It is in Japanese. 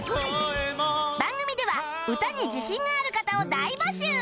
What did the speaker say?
番組では歌に自信がある方を大募集！